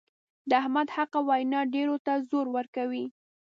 د احمد حقه وینا ډېرو ته زور ورکوي.